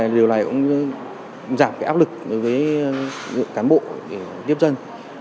điều này cũng giảm cái áp lực với các cán bộ để tiếp dân